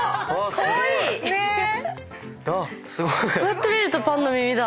こうやって見るとパンの耳だ。